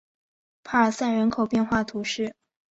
帕尔塞人口变化图示